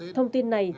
thông tin này